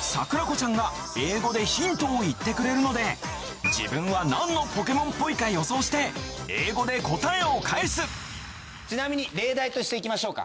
さくらこちゃんが英語でヒントを言ってくれるので自分は何のポケモンっぽいか予想して英語で答えを返すちなみに例題としていきましょうか。